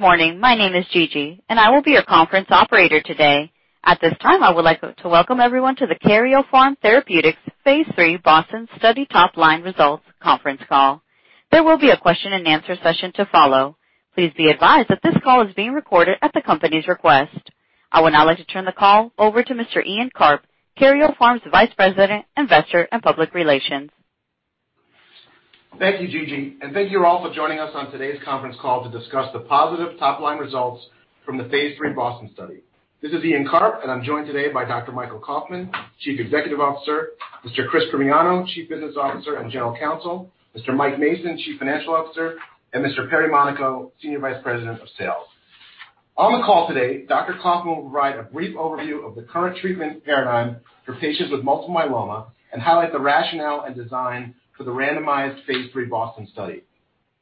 Good morning. My name is Gigi, and I will be your conference operator today. At this time, I would like to welcome everyone to the Karyopharm Therapeutics Phase III BOSTON Study Top-Line Results Conference Call. There will be a question and answer session to follow. Please be advised that this call is being recorded at the company's request. I would now like to turn the call over to Mr. Ian Karp, Karyopharm's Vice President, Investor and Public Relations. Thank you, Gigi, and thank you all for joining us on today's conference call to discuss the positive top-line results from the phase III BOSTON study. This is Ian Karp, and I'm joined today by Dr. Michael Kauffman, Chief Executive Officer, Mr. Chris Primiano, Chief Business Officer and General Counsel, Mr. Michael Mason, Chief Financial Officer, and Mr. Perry Monaco, Senior Vice President of Sales. On the call today, Dr. Kauffman will provide a brief overview of the current treatment paradigm for patients with multiple myeloma and highlight the rationale and design for the randomized phase III BOSTON study.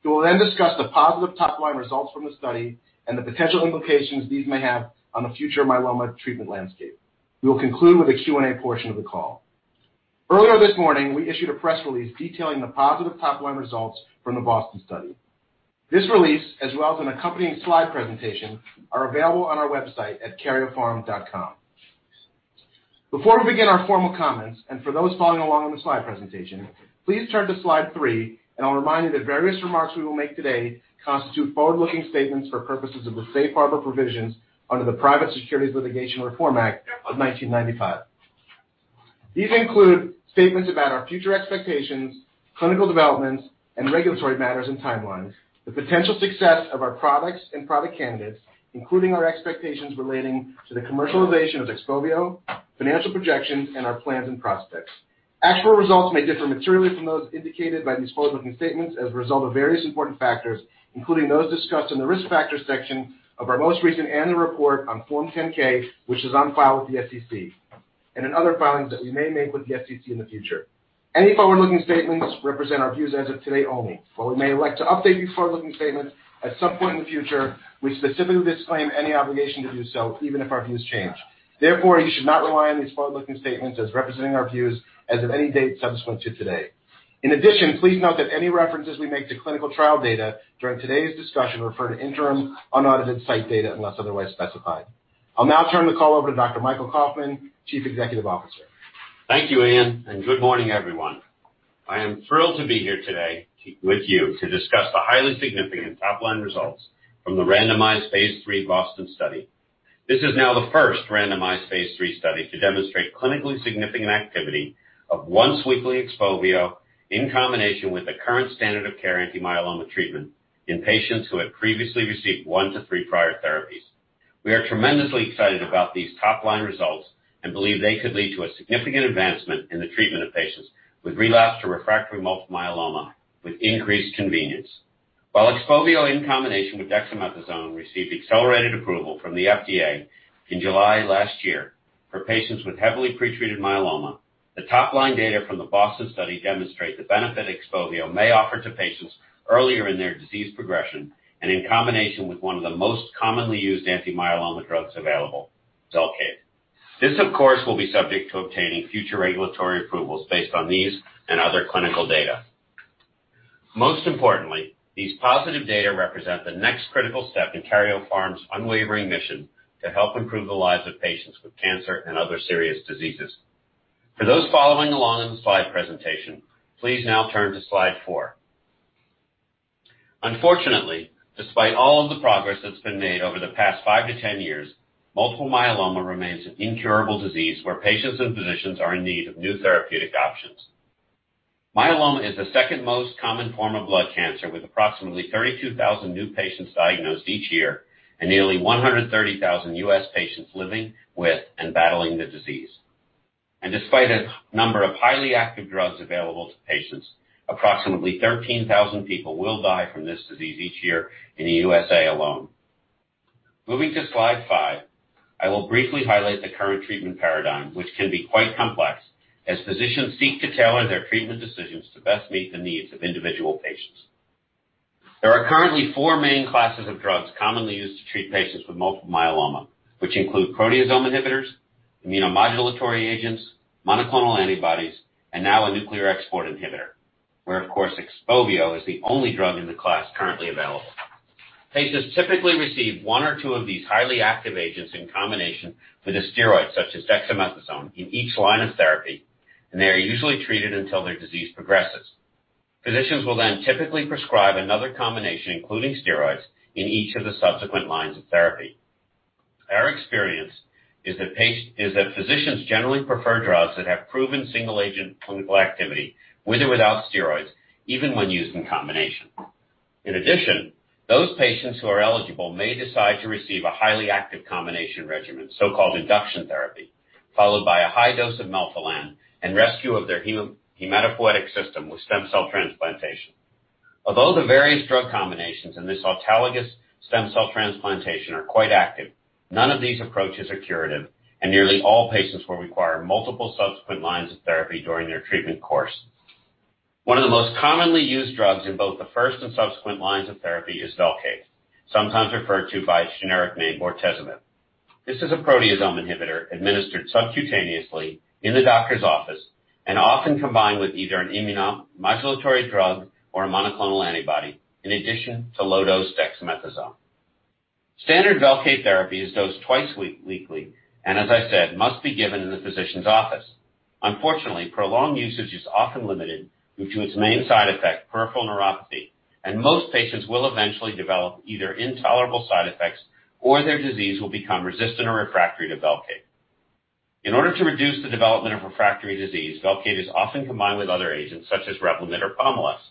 He will discuss the positive top-line results from the study and the potential implications these may have on the future of myeloma treatment landscape. We will conclude with a Q&A portion of the call. Earlier this morning, we issued a press release detailing the positive top-line results from the BOSTON study. This release, as well as an accompanying slide presentation, are available on our website at karyopharm.com. Before we begin our formal comments, and for those following along on the slide presentation, please turn to slide three, and I'll remind you that various remarks we will make today constitute forward-looking statements for purposes of the Safe Harbor provisions under the Private Securities Litigation Reform Act of 1995. These include statements about our future expectations, clinical developments and regulatory matters and timelines, the potential success of our products and product candidates, including our expectations relating to the commercialization of XPOVIO, financial projections and our plans and prospects. Actual results may differ materially from those indicated by these forward-looking statements as a result of various important factors, including those discussed in the Risk Factors section of our most recent annual report on Form 10-K, which is on file with the SEC, and in other filings that we may make with the SEC in the future. Any forward-looking statements represent our views as of today only. While we may elect to update these forward-looking statements at some point in the future, we specifically disclaim any obligation to do so, even if our views change. Therefore, you should not rely on these forward-looking statements as representing our views as of any date subsequent to today. In addition, please note that any references we make to clinical trial data during today's discussion refer to interim unaudited site data unless otherwise specified. I'll now turn the call over to Dr. Michael Kauffman, Chief Executive Officer. Thank you, Ian. Good morning, everyone. I am thrilled to be here today with you to discuss the highly significant top-line results from the randomized phase III BOSTON study. This is now the first randomized phase III study to demonstrate clinically significant activity of once-weekly XPOVIO in combination with the current standard of care anti-myeloma treatment in patients who had previously received one to three prior therapies. We are tremendously excited about these top-line results and believe they could lead to a significant advancement in the treatment of patients with relapsed or refractory multiple myeloma, with increased convenience. While XPOVIO in combination with dexamethasone received accelerated approval from the FDA in July last year for patients with heavily pretreated myeloma, the top-line data from the BOSTON study demonstrate the benefit XPOVIO may offer to patients earlier in their disease progression and in combination with one of the most commonly used anti-myeloma drugs available, Velcade. This, of course, will be subject to obtaining future regulatory approvals based on these and other clinical data. Most importantly, these positive data represent the next critical step in Karyopharm's unwavering mission to help improve the lives of patients with cancer and other serious diseases. For those following along on the slide presentation, please now turn to slide four. Unfortunately, despite all of the progress that's been made over the past 5 to 10 years, multiple myeloma remains an incurable disease where patients and physicians are in need of new therapeutic options. Myeloma is the second most common form of blood cancer, with approximately 32,000 new patients diagnosed each year and nearly 130,000 U.S. patients living with and battling the disease. Despite a number of highly active drugs available to patients, approximately 13,000 people will die from this disease each year in the U.S.A. alone. Moving to slide five, I will briefly highlight the current treatment paradigm, which can be quite complex as physicians seek to tailor their treatment decisions to best meet the needs of individual patients. There are currently four main classes of drugs commonly used to treat patients with multiple myeloma, which include proteasome inhibitors, immunomodulatory agents, monoclonal antibodies, and now a nuclear export inhibitor, where, of course, XPOVIO is the only drug in the class currently available. Patients typically receive one or two of these highly active agents in combination with a steroid, such as dexamethasone, in each line of therapy, and they are usually treated until their disease progresses. Physicians will then typically prescribe another combination, including steroids, in each of the subsequent lines of therapy. Our experience is that physicians generally prefer drugs that have proven single-agent clinical activity, with or without steroids, even when used in combination. In addition, those patients who are eligible may decide to receive a highly active combination regimen, so-called induction therapy, followed by a high dose of melphalan and rescue of their hematopoietic system with stem cell transplantation. Although the various drug combinations in this autologous stem cell transplantation are quite active, none of these approaches are curative, and nearly all patients will require multiple subsequent lines of therapy during their treatment course. One of the most commonly used drugs in both the first and subsequent lines of therapy is Velcade, sometimes referred to by its generic name, bortezomib. This is a proteasome inhibitor administered subcutaneously in the doctor's office and often combined with either an immunomodulatory drug or a monoclonal antibody in addition to low-dose dexamethasone. Standard Velcade therapy is dosed twice weekly and, as I said, must be given in the physician's office. Unfortunately, prolonged usage is often limited due to its main side effect, peripheral neuropathy, and most patients will eventually develop either intolerable side effects or their disease will become resistant or refractory to Velcade. In order to reduce the development of refractory disease, Velcade is often combined with other agents such as Revlimid or Pomalyst.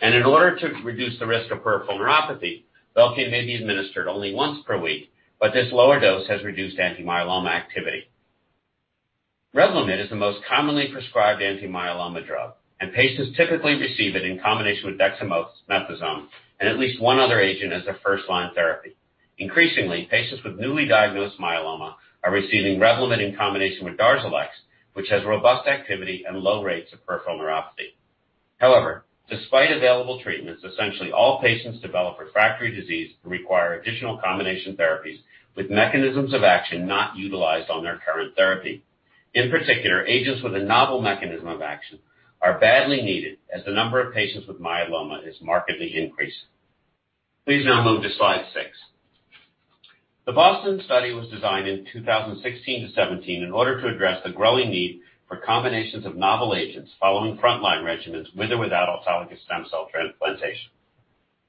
In order to reduce the risk of peripheral neuropathy, Velcade may be administered only once per week, but this lower dose has reduced anti-myeloma activity. Revlimid is the most commonly prescribed anti-myeloma drug, and patients typically receive it in combination with dexamethasone and at least one other agent as a first-line therapy. Increasingly, patients with newly diagnosed myeloma are receiving Revlimid in combination with Darzalex, which has robust activity and low rates of peripheral neuropathy. However, despite available treatments, essentially all patients develop refractory disease and require additional combination therapies with mechanisms of action not utilized on their current therapy. In particular, agents with a novel mechanism of action are badly needed as the number of patients with myeloma is markedly increasing. Please now move to slide six. The BOSTON study was designed in 2016 to 2017 in order to address the growing need for combinations of novel agents following front-line regimens with or without autologous stem cell transplantation.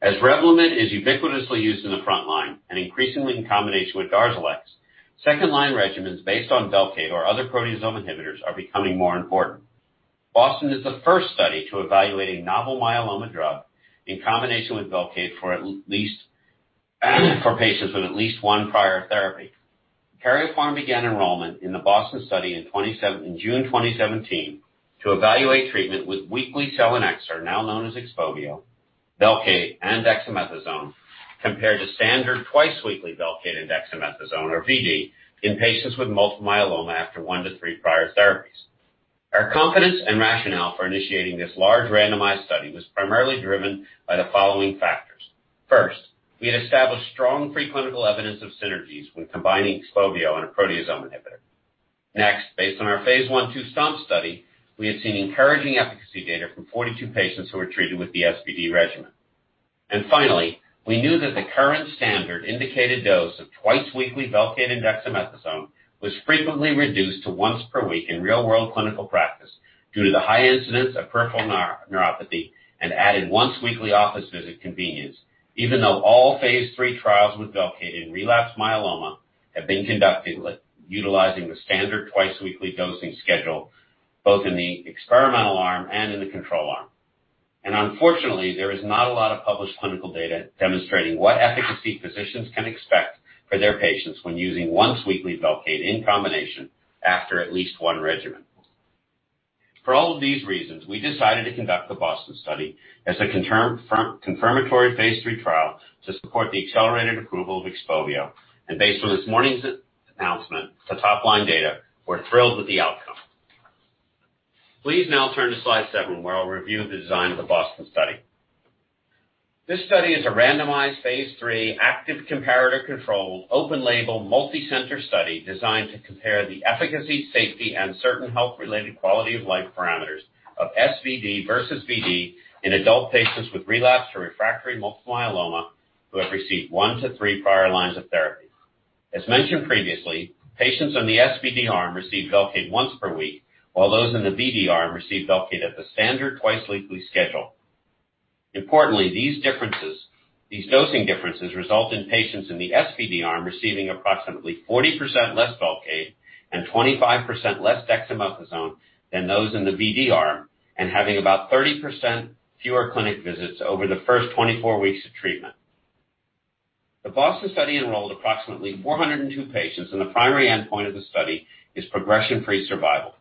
As Revlimid is ubiquitously used in the front line and increasingly in combination with Darzalex, second-line regimens based on Velcade or other proteasome inhibitors are becoming more important. BOSTON is the first study to evaluate a novel myeloma drug in combination with Velcade for patients with at least one prior therapy. Karyopharm began enrollment in the BOSTON study in June 2017 to evaluate treatment with weekly selinexor, now known as XPOVIO, Velcade, and dexamethasone, compared to standard twice-weekly Velcade and dexamethasone, or Vd, in patients with multiple myeloma after one to three prior therapies. Our confidence and rationale for initiating this large randomized study was primarily driven by the following factors. First, we had established strong preclinical evidence of synergies when combining XPOVIO and a proteasome inhibitor. Next, based on our phase I/II STOMP study, we had seen encouraging efficacy data from 42 patients who were treated with the SVd regimen. Finally, we knew that the current standard indicated dose of twice-weekly Velcade and dexamethasone was frequently reduced to once per week in real-world clinical practice due to the high incidence of peripheral neuropathy and added once-weekly office visit convenience, even though all phase III trials with Velcade in relapsed myeloma have been conducted utilizing the standard twice-weekly dosing schedule, both in the experimental arm and in the control arm. Unfortunately, there is not a lot of published clinical data demonstrating what efficacy physicians can expect for their patients when using once-weekly Velcade in combination after at least one regimen. For all of these reasons, we decided to conduct the BOSTON study as a confirmatory phase III trial to support the accelerated approval of XPOVIO. Based on this morning's announcement for top-line data, we're thrilled with the outcome. Please now turn to slide seven, where I'll review the design of the BOSTON study. This study is a randomized, phase III, active comparator-controlled, open-label, multicenter study designed to compare the efficacy, safety, and certain health-related quality of life parameters of SVd versus Vd in adult patients with relapsed or refractory multiple myeloma who have received one to three prior lines of therapy. As mentioned previously, patients on the SVd arm received Velcade once per week, while those in the Vd arm received Velcade at the standard twice-weekly schedule. Importantly, these dosing differences result in patients in the SVd arm receiving approximately 40% less Velcade and 25% less dexamethasone than those in the Vd arm and having about 30% fewer clinic visits over the first 24 weeks of treatment. The BOSTON study enrolled approximately 402 patients, and the primary endpoint of the study is progression-free survival.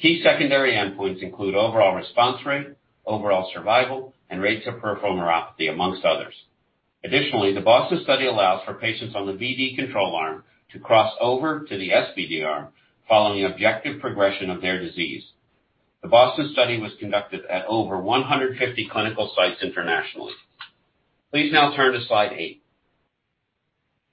Key secondary endpoints include overall response rate, overall survival, and rates of peripheral neuropathy, amongst others. Additionally, the BOSTON study allows for patients on the Vd control arm to cross over to the SVd arm following objective progression of their disease. The BOSTON study was conducted at over 150 clinical sites internationally. Please now turn to slide eight.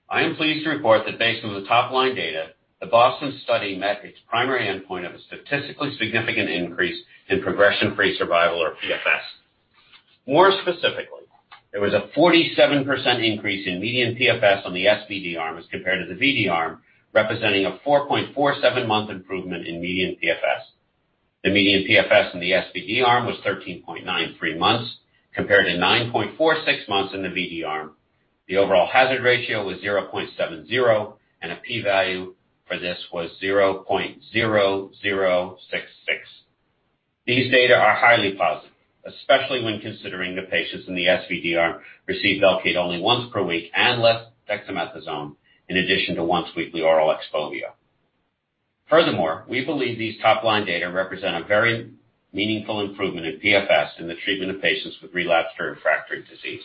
I am pleased to report that based on the top-line data, the BOSTON study met its primary endpoint of a statistically significant increase in progression-free survival or PFS. More specifically, there was a 47% increase in median PFS on the SVd arm as compared to the Vd arm, representing a 4.47 months improvement in median PFS. The median PFS in the SVd arm was 13.93 months compared to 9.46 months in the Vd arm. The overall hazard ratio was 0.70, and a P value for this was 0.0066. These data are highly positive, especially when considering the patients in the SVD arm received Velcade only once per week and less dexamethasone in addition to once-weekly oral XPOVIO. Furthermore, we believe these top-line data represent a very meaningful improvement in PFS in the treatment of patients with relapsed or refractory disease.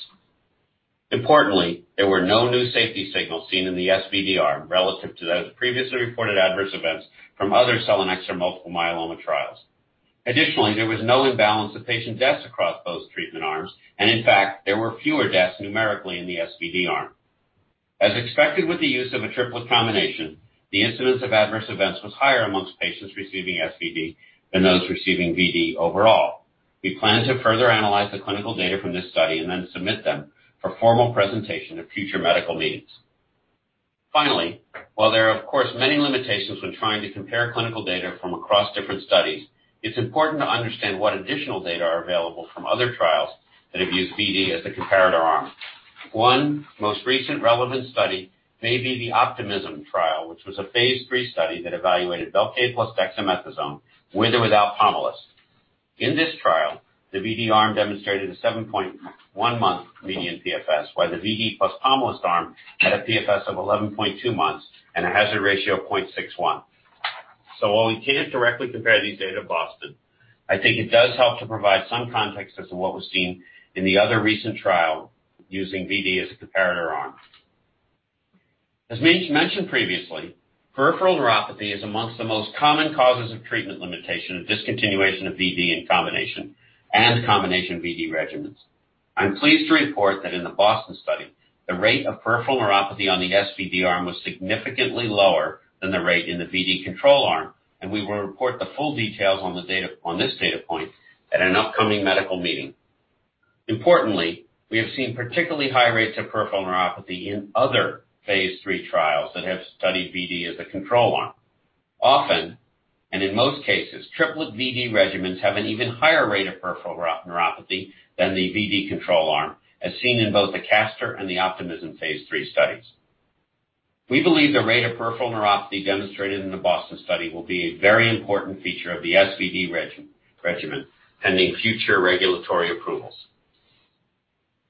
Importantly, there were no new safety signals seen in the SVd arm relative to those previously reported adverse events from other selinexor multiple myeloma trials. There was no imbalance of patient deaths across both treatment arms, and in fact, there were fewer deaths numerically in the SVd arm. As expected with the use of a triplet combination, the incidence of adverse events was higher amongst patients receiving SVd than those receiving Vd overall. We plan to further analyze the clinical data from this study and then submit them for formal presentation at future medical meetings. While there are, of course, many limitations when trying to compare clinical data from across different studies, it's important to understand what additional data are available from other trials that have used Vd as the comparator arm. One most recent relevant study may be the OPTIMISMM trial, which was a phase III study that evaluated Velcade plus dexamethasone, with or without Pomalyst. In this trial, the Vd arm demonstrated a 7.1-month median PFS, while the Vd plus Pomalyst arm had a PFS of 11.2 months and a hazard ratio of 0.61. While we can't directly compare these data to BOSTON, I think it does help to provide some context as to what was seen in the other recent trial using Vd as a comparator arm. As mentioned previously, peripheral neuropathy is amongst the most common causes of treatment limitation and discontinuation of Vd in combination and combination Vd regimens. I'm pleased to report that in the BOSTON study, the rate of peripheral neuropathy on the SVd arm was significantly lower than the rate in the Vd control arm, and we will report the full details on this data point at an upcoming medical meeting. Importantly, we have seen particularly high rates of peripheral neuropathy in other phase III trials that have studied Vd as a control arm. Often, and in most cases, triplet Vd regimens have an even higher rate of peripheral neuropathy than the Vd control arm, as seen in both the CASTOR and the OPTIMISMM phase III studies. We believe the rate of peripheral neuropathy demonstrated in the BOSTON study will be a very important feature of the SVd regimen pending future regulatory approvals.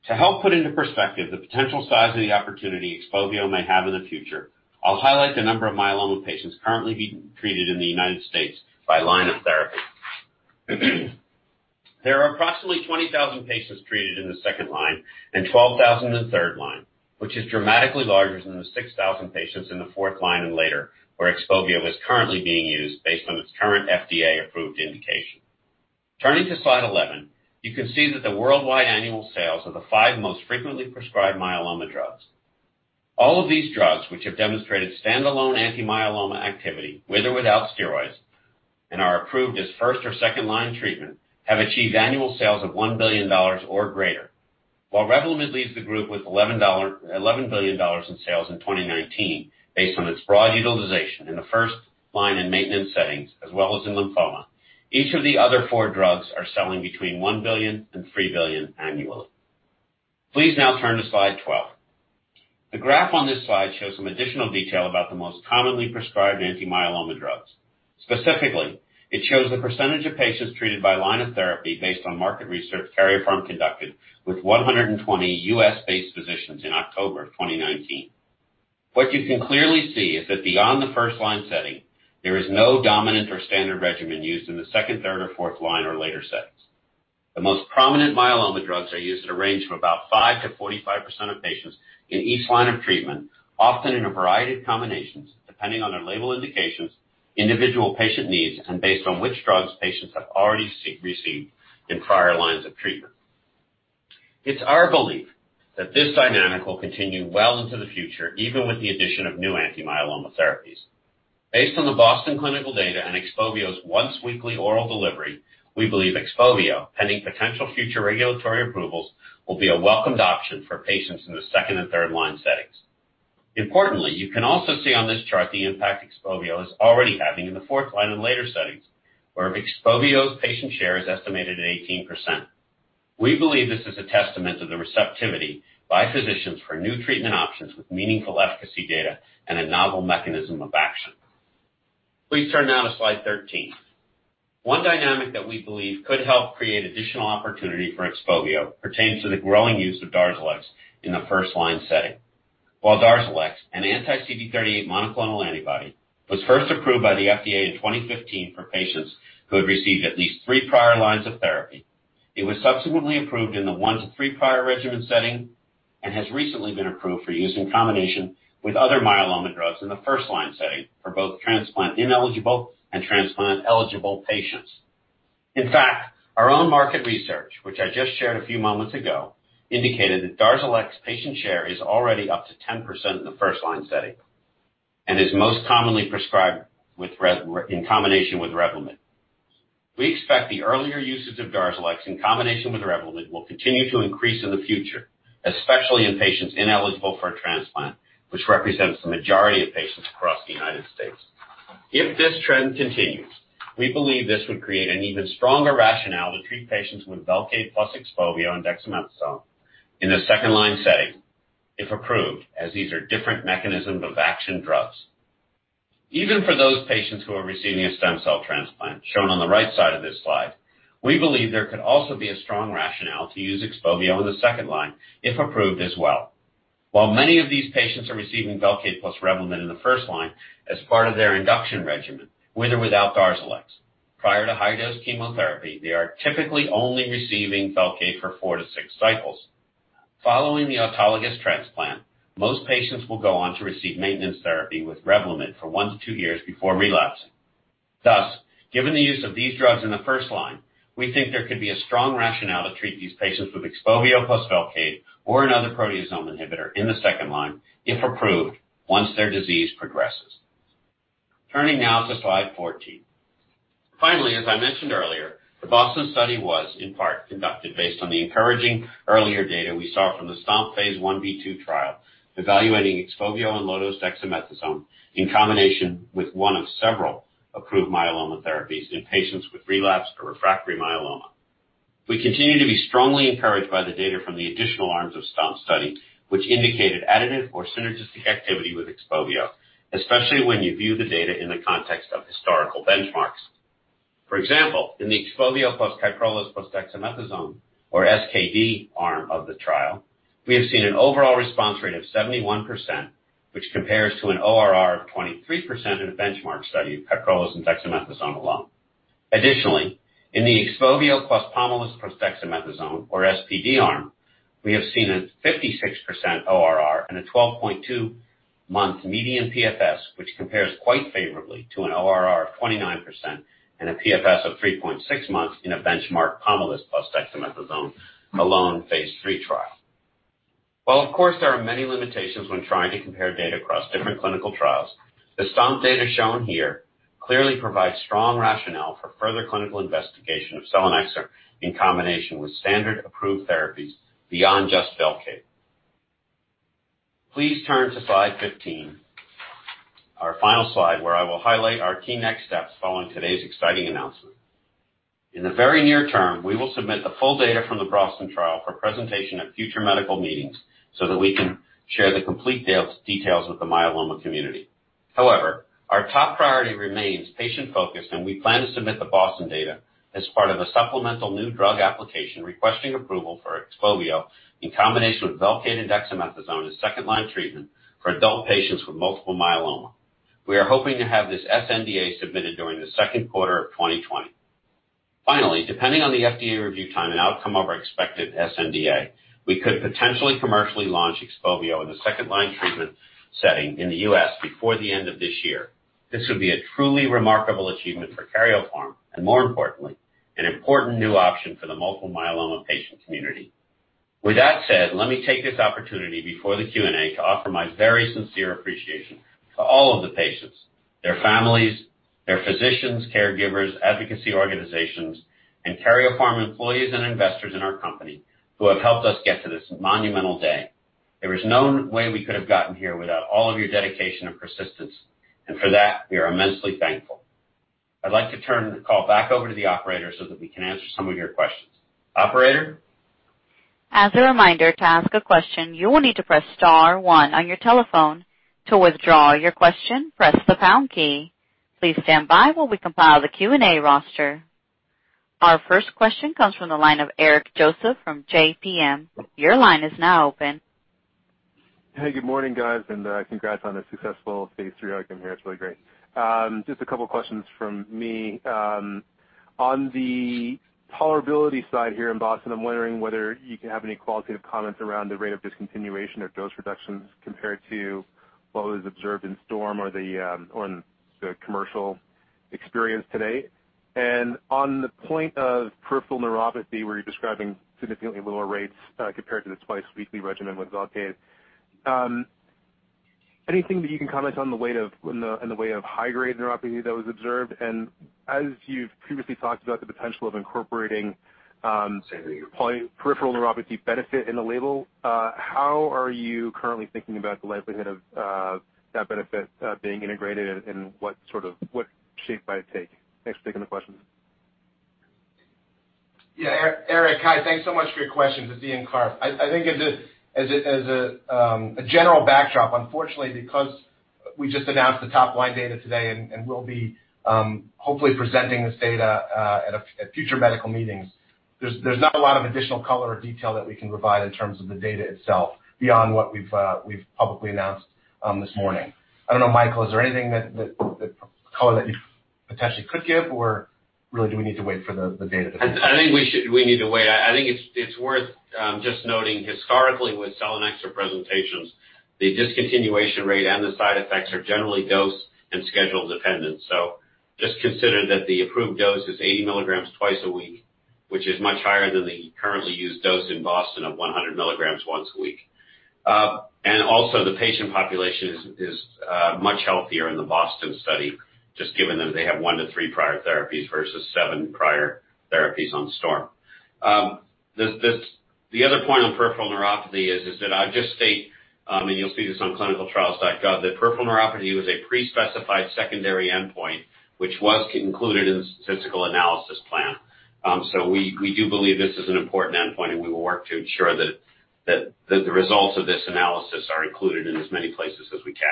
To help put into perspective the potential size of the opportunity XPOVIO may have in the future, I'll highlight the number of myeloma patients currently being treated in the U.S. by line of therapy. There are approximately 20,000 patients treated in the second line and 12,000 in the third line, which is dramatically larger than the 6,000 patients in the fourth line and later, where XPOVIO is currently being used based on its current FDA-approved indication. Turning to slide 11, you can see that the worldwide annual sales of the five most frequently prescribed myeloma drugs. All of these drugs, which have demonstrated stand-alone anti-myeloma activity, with or without steroids, and are approved as first or second-line treatment, have achieved annual sales of $1 billion or greater. While Revlimid leads the group with $11 billion in sales in 2019, based on its broad utilization in the first line in maintenance settings, as well as in lymphoma, each of the other four drugs are selling between $1 billion and $3 billion annually. Please now turn to slide 12. The graph on this slide shows some additional detail about the most commonly prescribed anti-myeloma drugs. Specifically, it shows the percentage of patients treated by line of therapy based on market research Karyopharm conducted with 120 U.S.-based physicians in October 2019. What you can clearly see is that beyond the first-line setting, there is no dominant or standard regimen used in the second, third, or fourth line or later settings. The most prominent myeloma drugs are used at a range from about 5% to 45% of patients in each line of treatment, often in a variety of combinations, depending on their label indications, individual patient needs, and based on which drugs patients have already received in prior lines of treatment. It's our belief that this dynamic will continue well into the future, even with the addition of new anti-myeloma therapies. Based on the BOSTON clinical data and XPOVIO's once-weekly oral delivery, we believe XPOVIO, pending potential future regulatory approvals, will be a welcomed option for patients in the second and third line settings. Importantly, you can also see on this chart the impact XPOVIO is already having in the fourth line and later settings, where XPOVIO's patient share is estimated at 18%. We believe this is a testament to the receptivity by physicians for new treatment options with meaningful efficacy data and a novel mechanism of action. Please turn now to slide 13. One dynamic that we believe could help create additional opportunity for XPOVIO pertains to the growing use of Darzalex in the first-line setting. While Darzalex, an anti-CD38 monoclonal antibody, was first approved by the FDA in 2015 for patients who had received at least three prior lines of therapy, it was subsequently approved in the one to three prior regimen setting and has recently been approved for use in combination with other myeloma drugs in the first-line setting for both transplant-ineligible and transplant-eligible patients. In fact, our own market research, which I just shared a few moments ago, indicated that Darzalex patient share is already up to 10% in the first-line setting and is most commonly prescribed in combination with Revlimid. We expect the earlier usage of Darzalex in combination with Revlimid will continue to increase in the future, especially in patients ineligible for a transplant, which represents the majority of patients across the U.S. If this trend continues, we believe this would create an even stronger rationale to treat patients with Velcade plus XPOVIO and dexamethasone in the second-line setting if approved, as these are different mechanisms of action drugs. Even for those patients who are receiving a stem cell transplant, shown on the right side of this slide, we believe there could also be a strong rationale to use XPOVIO in the second-line if approved as well. While many of these patients are receiving Velcade plus Revlimid in the first line as part of their induction regimen, with or without Darzalex, prior to high-dose chemotherapy, they are typically only receiving Velcade for four to six cycles. Following the autologous transplant, most patients will go on to receive maintenance therapy with Revlimid for one to two years before relapsing. Given the use of these drugs in the first line, we think there could be a strong rationale to treat these patients with XPOVIO plus Velcade or another proteasome inhibitor in the second line, if approved, once their disease progresses. Turning now to slide 14. Finally, as I mentioned earlier, the BOSTON study was in part conducted based on the encouraging earlier data we saw from the STOMP phase I-B/II trial evaluating XPOVIO and low-dose dexamethasone in combination with one of several approved myeloma therapies in patients with relapsed or refractory myeloma. We continue to be strongly encouraged by the data from the additional arms of STOMP study, which indicated additive or synergistic activity with XPOVIO, especially when you view the data in the context of historical benchmarks. For example, in the XPOVIO plus Kyprolis plus dexamethasone, or SKD arm of the trial, we have seen an overall response rate of 71%, which compares to an ORR of 23% in a benchmark study of Kyprolis and dexamethasone alone. In the XPOVIO plus pomalidomide plus dexamethasone, or SPD arm, we have seen a 56% ORR and a 12.2-month median PFS, which compares quite favorably to an ORR of 29% and a PFS of 3.6 months in a benchmark pomalidomide plus dexamethasone alone phase III trial. While of course there are many limitations when trying to compare data across different clinical trials, the STOMP data shown here clearly provides strong rationale for further clinical investigation of selinexor in combination with standard approved therapies beyond just Velcade. Please turn to slide 15, our final slide, where I will highlight our key next steps following today's exciting announcement. In the very near term, we will submit the full data from the BOSTON trial for presentation at future medical meetings so that we can share the complete details with the myeloma community. However, our top priority remains patient-focused, and we plan to submit the BOSTON data as part of a supplemental new drug application requesting approval for XPOVIO in combination with Velcade and dexamethasone as second-line treatment for adult patients with multiple myeloma. We are hoping to have this sNDA submitted during the second quarter of 2020. Finally, depending on the FDA review time and outcome of our expected sNDA, we could potentially commercially launch XPOVIO in the second-line treatment setting in the U.S. before the end of this year. This would be a truly remarkable achievement for Karyopharm and, more importantly, an important new option for the multiple myeloma patient community. With that said, let me take this opportunity before the Q&A to offer my very sincere appreciation to all of the patients, their families, their physicians, caregivers, advocacy organizations, and Karyopharm employees and investors in our company who have helped us get to this monumental day. There is no way we could have gotten here without all of your dedication and persistence, for that, we are immensely thankful. I'd like to turn the call back over to the operator so that we can answer some of your questions. Operator? As a reminder, to ask a question, you will need to press star one on your telephone. To withdraw your question, press the pound key. Please stand by while we compile the Q&A roster. Our first question comes from the line of Eric Joseph from JPM. Your line is now open. Hey, good morning, guys, and congrats on a successful phase III outcome here. It's really great. Just a couple of questions from me. On the tolerability side here in BOSTON, I'm wondering whether you can have any qualitative comments around the rate of discontinuation of dose reductions compared to what was observed in STORM or the commercial experience to date. On the point of peripheral neuropathy, where you're describing significantly lower rates compared to the twice-weekly regimen with Velcade, anything that you can comment on in the way of high-grade neuropathy that was observed? As you've previously talked about the potential of incorporating peripheral neuropathy benefit in the label, how are you currently thinking about the likelihood of that benefit being integrated, and what shape might it take? Thanks for taking the questions. Eric. Hi. Thanks so much for your questions. This is Ian Karp. I think as a general backdrop, unfortunately, because we just announced the top-line data today, and we'll be hopefully presenting this data at future medical meetings, there's not a lot of additional color or detail that we can provide in terms of the data itself beyond what we've publicly announced this morning. I don't know, Michael, is there any color that you potentially could give, or really, do we need to wait for the data? I think we need to wait. I think it's worth just noting historically with selinexor presentations, the discontinuation rate and the side effects are generally dose and schedule dependent. Just consider that the approved dose is 80 milligrams twice a week, which is much higher than the currently used dose in BOSTON of 100 milligrams once a week. The patient population is much healthier in the BOSTON study, just given that they have one to three prior therapies versus seven prior therapies on STORM. The other point on peripheral neuropathy is that I'll just state, and you'll see this on clinicaltrials.gov, that peripheral neuropathy was a pre-specified secondary endpoint, which was included in the statistical analysis plan. We do believe this is an important endpoint, and we will work to ensure that the results of this analysis are included in as many places as we can.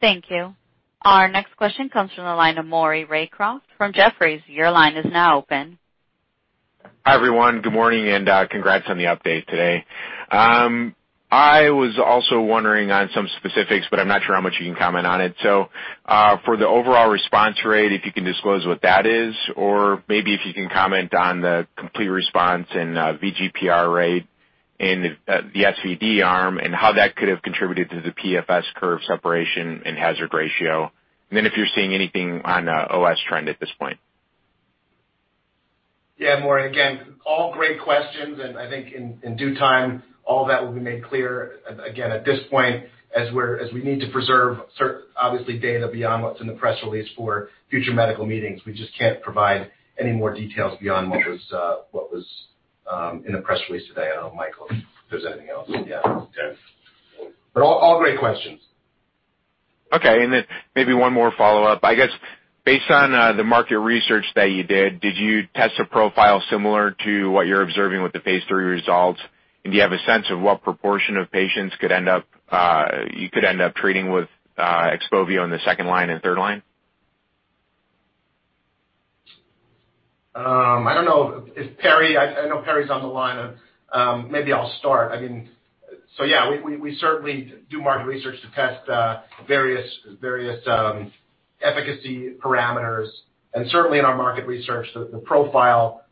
Thank you. Our next question comes from the line of Maury Raycroft from Jefferies. Your line is now open Hi, everyone. Good morning and congrats on the update today. I was also wondering on some specifics, but I'm not sure how much you can comment on it. For the overall response rate, if you can disclose what that is, or maybe if you can comment on the complete response and VGPR rate in the SVd arm and how that could have contributed to the PFS curve separation and hazard ratio. Then if you're seeing anything on OS trend at this point. Yeah, Maury, again, all great questions, and I think in due time, all that will be made clear. Again, at this point, as we need to preserve, obviously, data beyond what's in the press release for future medical meetings. We just can't provide any more details beyond what was in the press release today. I don't know, Michael, if there's anything else. Yeah. Okay. All great questions. Okay, then maybe one more follow-up. I guess based on the market research that you did you test a profile similar to what you're observing with the phase III results? Do you have a sense of what proportion of patients you could end up treating with XPOVIO in the second line and third line? I know Perry's on the line. Maybe I'll start. Yeah, we certainly do market research to test various efficacy parameters, and certainly in our market research, the profile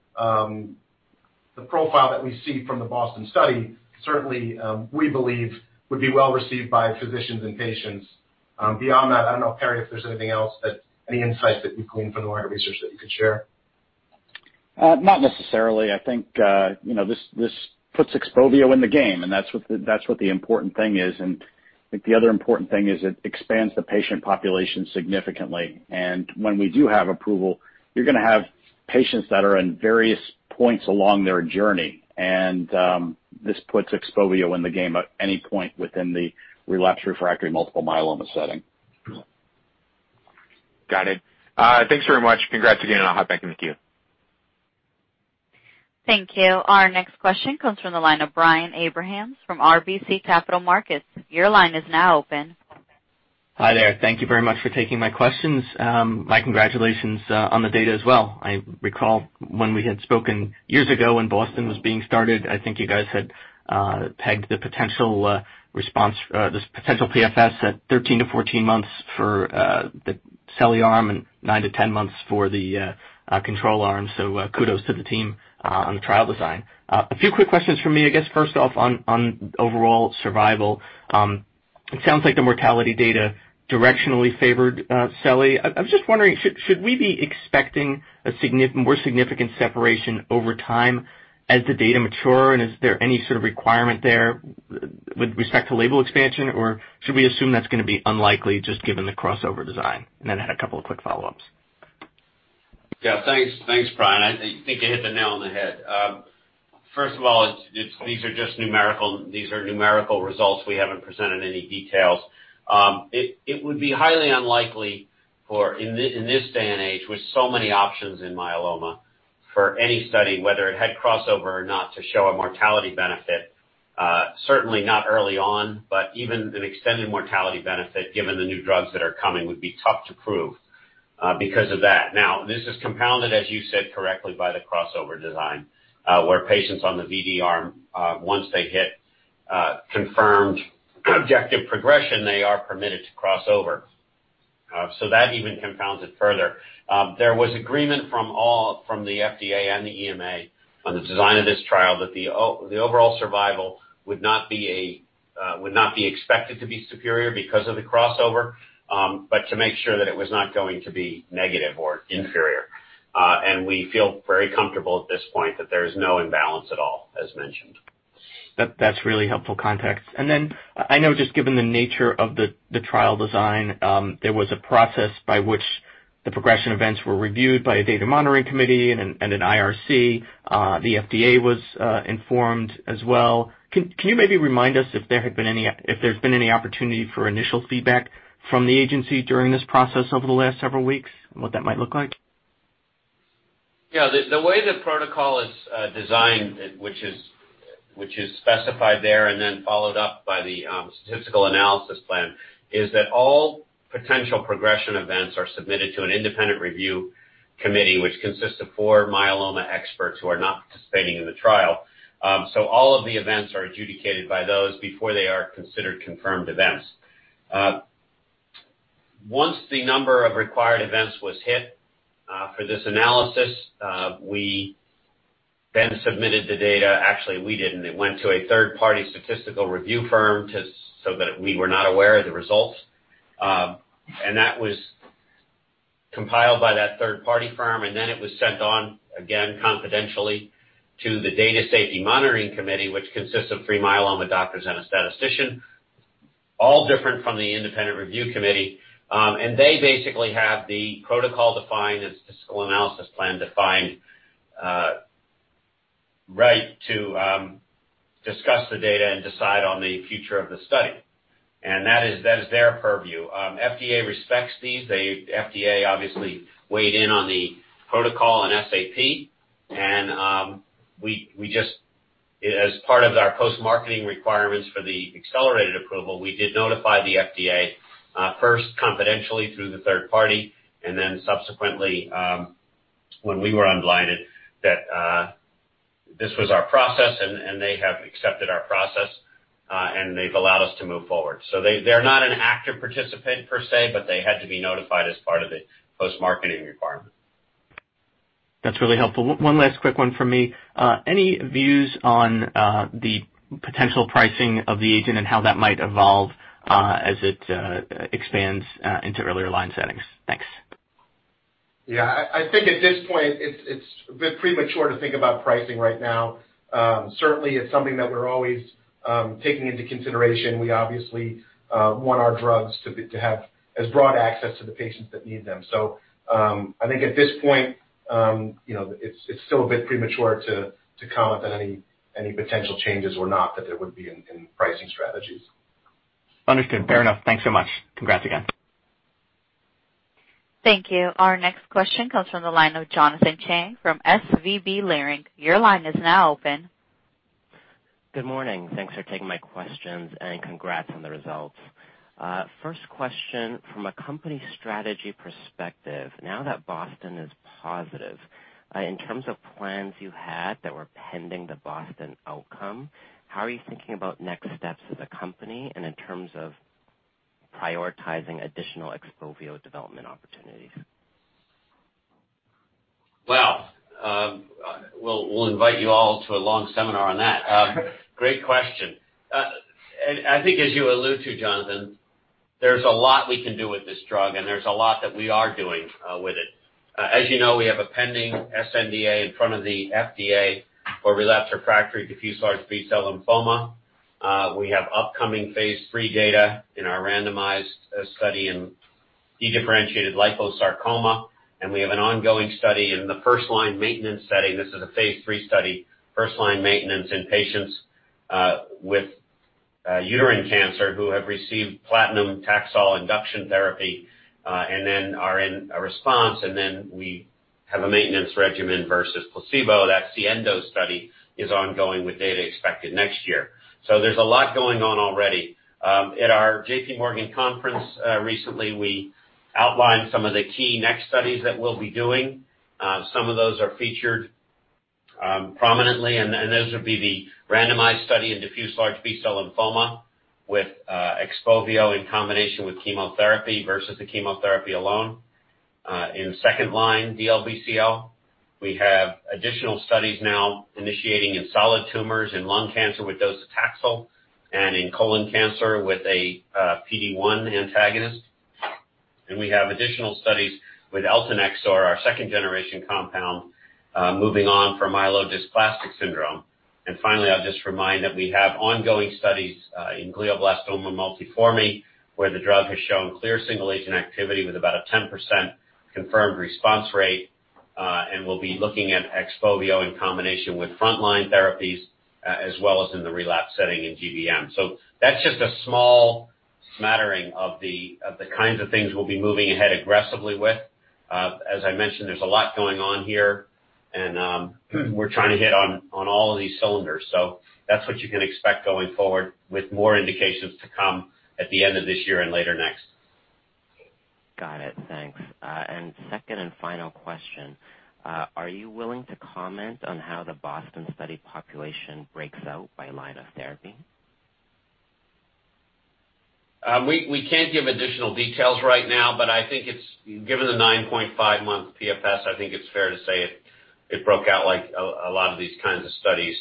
that we see from the BOSTON study, certainly, we believe would be well-received by physicians and patients. Beyond that, I don't know, Perry, if there's anything else, any insight that you've gleaned from the market research that you could share. Not necessarily. I think this puts XPOVIO in the game, that's what the important thing is. I think the other important thing is it expands the patient population significantly. When we do have approval, you're going to have patients that are in various points along their journey. This puts XPOVIO in the game at any point within the relapsed/refractory multiple myeloma setting. Got it. Thanks very much. Congrats again. I'll hop back in the queue. Thank you. Our next question comes from the line of Brian Abrahams from RBC Capital Markets. Your line is now open. Hi there. Thank you very much for taking my questions. My congratulations on the data as well. I recall when we had spoken years ago when BOSTON was being started, I think you guys had pegged the potential PFS at 13 to 14 months for the cellie arm and 9 to 10 months for the control arm. Kudos to the team on the trial design. A few quick questions from me. I guess first off on overall survival. It sounds like the mortality data directionally favored cellie. I was just wondering, should we be expecting a more significant separation over time as the data mature, and is there any sort of requirement there with respect to label expansion, or should we assume that's going to be unlikely just given the crossover design? I had a couple of quick follow-ups. Yeah. Thanks, Brian. I think you hit the nail on the head. First of all, these are numerical results. We haven't presented any details. It would be highly unlikely in this day and age, with so many options in myeloma, for any study, whether it had crossover or not, to show a mortality benefit. Certainly not early on, even an extended mortality benefit, given the new drugs that are coming, would be tough to prove because of that. This is compounded, as you said correctly, by the crossover design, where patients on the Vd arm, once they hit confirmed objective progression, they are permitted to cross over. That even compounds it further. There was agreement from the FDA and the EMA on the design of this trial that the overall survival would not be expected to be superior because of the crossover, but to make sure that it was not going to be negative or inferior. We feel very comfortable at this point that there is no imbalance at all, as mentioned. That's really helpful context. Then I know just given the nature of the trial design, there was a process by which the progression events were reviewed by a Data Safety Monitoring Committee and an IRC. The FDA was informed as well. Can you maybe remind us if there's been any opportunity for initial feedback from the agency during this process over the last several weeks and what that might look like? Yeah. The way the protocol is designed, which is specified there and then followed up by the statistical analysis plan, is that all potential progression events are submitted to an Independent Review Committee, which consists of four myeloma experts who are not participating in the trial. All of the events are adjudicated by those before they are considered confirmed events. Once the number of required events was hit for this analysis, we then submitted the data. Actually, we didn't. It went to a third-party statistical review firm, so that we were not aware of the results. That was compiled by that third-party firm, and then it was sent on, again, confidentially, to the Data Safety Monitoring Committee, which consists of three myeloma doctors and a statistician, all different from the Independent Review Committee. They basically have the Protocol-defined and Statistical Analysis Plan-defined right to discuss the data and decide on the future of the study. That is their purview. FDA respects these. The FDA obviously weighed in on the protocol and SAP, as part of our post-marketing requirements for the accelerated approval, we did notify the FDA first confidentially through the third party, and then subsequently when we were unblinded that this was our process, and they have accepted our process, and they've allowed us to move forward. They're not an active participant per se, but they had to be notified as part of the post-marketing requirement. That's really helpful. One last quick one from me. Any views on the potential pricing of the agent and how that might evolve as it expands into earlier line settings? Thanks. Yeah, I think at this point it's a bit premature to think about pricing right now. Certainly, it's something that we're always taking into consideration. We obviously want our drugs to have as broad access to the patients that need them. I think at this point, it's still a bit premature to comment on any potential changes or not that there would be in pricing strategies. Understood. Fair enough. Thanks so much. Congrats again. Thank you. Our next question comes from the line of Jonathan Chang from SVB Leerink. Your line is now open. Good morning. Thanks for taking my questions, and congrats on the results. First question, from a company strategy perspective, now that BOSTON is positive, in terms of plans you had that were pending the BOSTON outcome, how are you thinking about next steps as a company and in terms of prioritizing additional XPOVIO development opportunities? Well, we'll invite you all to a long seminar on that. Great question. I think as you allude to, Jonathan, there's a lot we can do with this drug, and there's a lot that we are doing with it. As you know, we have a pending sNDA in front of the FDA for relapsed or refractory diffuse large B-cell lymphoma. We have upcoming phase III data in our randomized study in dedifferentiated liposarcoma, and we have an ongoing study in the first-line maintenance setting. This is a phase III study, first-line maintenance in patients with uterine cancer who have received platinum Taxol induction therapy, and then are in a response, and then we have a maintenance regimen versus placebo. That SIENDO study is ongoing with data expected next year. There's a lot going on already. At our J.P. Morgan conference recently, we outlined some of the key next studies that we'll be doing. Some of those are featured prominently, and those would be the randomized study in diffuse large B-cell lymphoma with XPOVIO in combination with chemotherapy versus the chemotherapy alone. In second-line DLBCL, we have additional studies now initiating in solid tumors in lung cancer with docetaxel and in colon cancer with a PD-1 antagonist. We have additional studies with eltanexor, our second-generation compound, moving on for myelodysplastic syndrome. Finally, I'll just remind that we have ongoing studies in glioblastoma multiforme, where the drug has shown clear single-agent activity with about a 10% confirmed response rate, and we'll be looking at XPOVIO in combination with frontline therapies as well as in the relapse setting in GBM. That's just a small smattering of the kinds of things we'll be moving ahead aggressively with. As I mentioned, there's a lot going on here, and we're trying to hit on all of these cylinders. That's what you can expect going forward with more indications to come at the end of this year and later next. Got it. Thanks. Second and final question. Are you willing to comment on how the BOSTON study population breaks out by line of therapy? We can't give additional details right now, but I think given the 9.5 month PFS, I think it's fair to say it broke out like a lot of these kinds of studies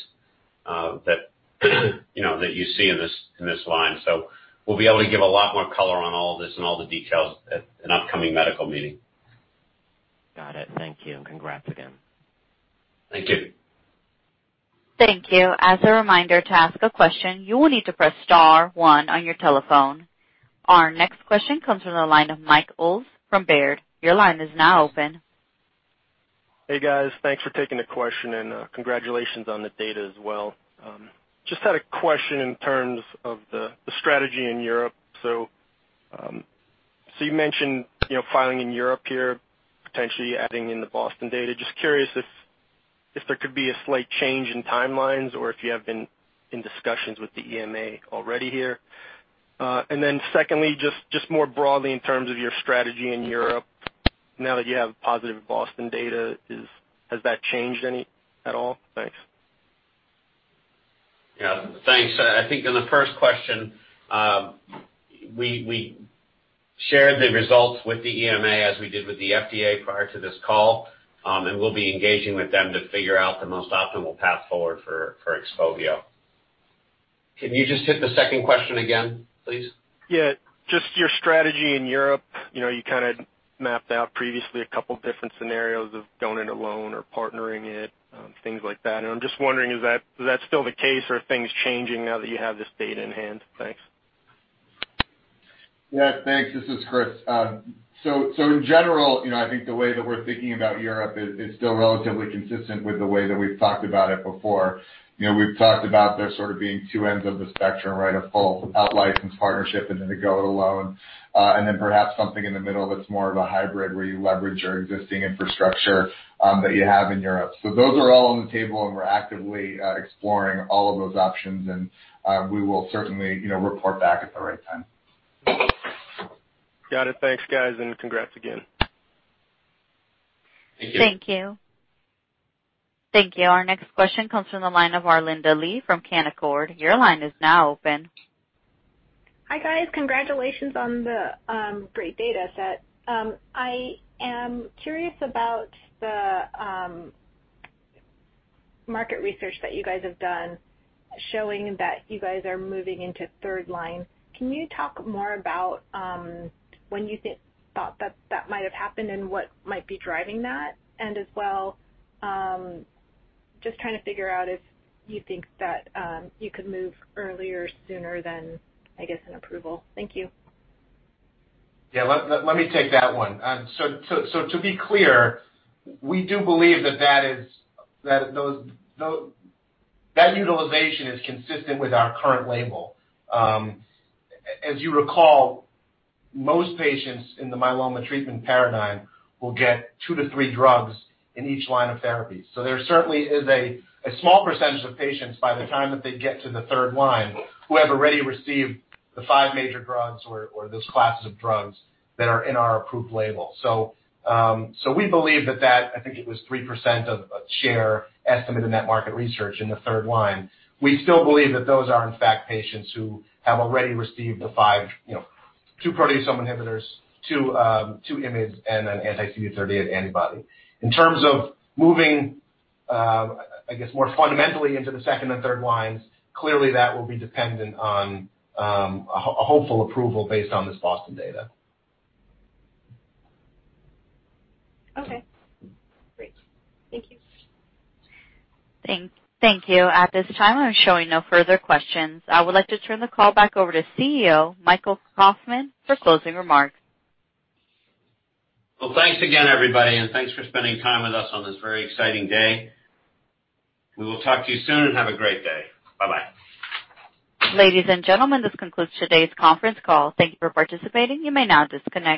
that you see in this line. We'll be able to give a lot more color on all this and all the details at an upcoming medical meeting. Got it. Thank you, and congrats again. Thank you. Thank you. As a reminder, to ask a question, you will need to press star one on your telephone. Our next question comes from the line of Michael Ulz from Baird. Your line is now open. Hey, guys. Thanks for taking the question, and congratulations on the data as well. Just had a question in terms of the strategy in Europe. You mentioned filing in Europe here, potentially adding in the BOSTON data. Just curious if there could be a slight change in timelines or if you have been in discussions with the EMA already here. Secondly, just more broadly in terms of your strategy in Europe, now that you have positive BOSTON data, has that changed at all? Thanks. Yeah. Thanks. I think on the first question, we shared the results with the EMA as we did with the FDA prior to this call, and we'll be engaging with them to figure out the most optimal path forward for XPOVIO. Can you just hit the second question again, please? Yeah. Just your strategy in Europe. You kind of mapped out previously a couple different scenarios of doing it alone or partnering it, things like that. I'm just wondering, is that still the case or are things changing now that you have this data in hand? Thanks. Yeah. Thanks. This is Chris. In general, I think the way that we're thinking about Europe is still relatively consistent with the way that we've talked about it before. We've talked about there sort of being two ends of the spectrum, right? A full out-license partnership and then a go it alone, and then perhaps something in the middle that's more of a hybrid where you leverage your existing infrastructure that you have in Europe. Those are all on the table, and we're actively exploring all of those options, and we will certainly report back at the right time. Got it. Thanks guys, and congrats again. Thank you. Thank you. Our next question comes from the line of Arlinda Lee from Canaccord. Your line is now open. Hi, guys. Congratulations on the great data set. I am curious about the market research that you guys have done showing that you guys are moving into third line. Can you talk more about when you thought that that might have happened and what might be driving that? As well, just trying to figure out if you think that you could move earlier, sooner than, I guess, an approval. Thank you. Yeah. Let me take that one. To be clear, we do believe that that utilization is consistent with our current label. As you recall, most patients in the myeloma treatment paradigm will get two to three drugs in each line of therapy. There certainly is a small percentage of patients, by the time that they get to the third line, who have already received the five major drugs or those classes of drugs that are in our approved label. We believe that that, I think it was 3% of share estimate in that market research in the third line. We still believe that those are in fact patients who have already received the five, two proteasome inhibitors, two IMiDs, and an anti-CD38 antibody. In terms of moving, I guess, more fundamentally into the second and third lines, clearly that will be dependent on a hopeful approval based on this BOSTON data. Okay. Great. Thank you. Thank you. At this time, I'm showing no further questions. I would like to turn the call back over to CEO, Michael Kauffman, for closing remarks. Well, thanks again, everybody, and thanks for spending time with us on this very exciting day. We will talk to you soon, and have a great day. Bye-bye. Ladies and gentlemen, this concludes today's conference call. Thank you for participating. You may now disconnect.